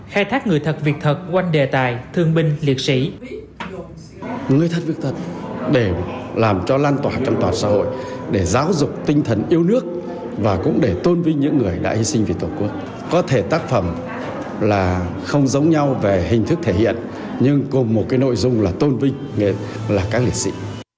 khai thác người thật việt thật quanh đề tài thương binh liệt sĩ